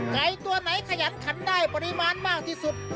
ไก่ตัวไหนขยันขันได้ปริมาณมากที่สุด